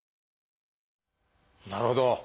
なるほど。